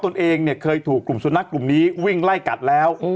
ตัวเองเนี่ยเคยถูกกลุ่มสุนัขกลุ่มนี้วิ่งไล่กัดแล้ว